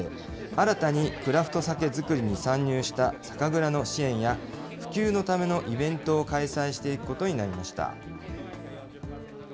新たにクラフトサケ造りに参入した酒蔵の支援や、普及のためのイベントを開催していくことになりました。